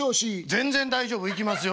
全然大丈夫行きますよ